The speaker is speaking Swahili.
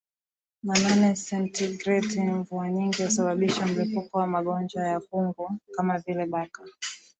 na nane sentigreti mvua nyingi husababisha mlipuko wa magonjwa ya ukungu kama vile Baka